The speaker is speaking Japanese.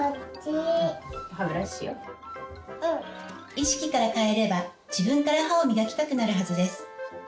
意識から変えれば自分から歯を磨きたくなるはずです。